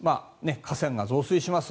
河川が増水します。